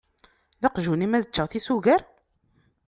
D aqjun-im ad ččeɣ tisugar!?